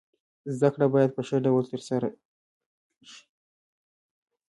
زده کړه باید په ښه ډول سره تر سره سي.